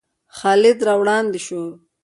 خالد را وړاندې شو.